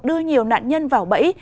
đưa nhiều nạn nhân vào bẫy